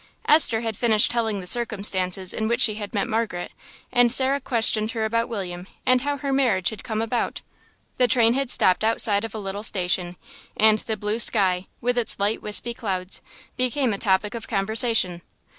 Esther had finished telling the circumstances in which she had met Margaret; and Sarah questioned her about William and how her marriage had come about. The train had stopped outside of a little station, and the blue sky, with its light wispy clouds, became a topic of conversation.